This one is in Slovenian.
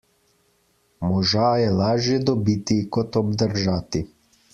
Moža je lažje dobiti kot obdržati.